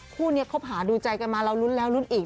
คู่เนี่ยคบหาดูใจกันมาแล้วรุ้นแล้วรุ้นอีกนะ